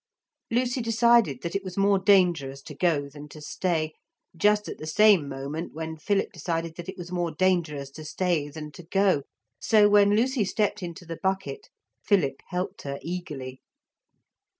Lucy decided that it was more dangerous to go than to stay, just at the same moment when Philip decided that it was more dangerous to stay than to go, so when Lucy stepped into the bucket Philip helped her eagerly.